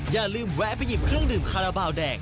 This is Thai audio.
อย่าลืมแวะไปหยิบเครื่องดื่มคาราบาลแดง